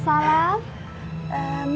ya itu dong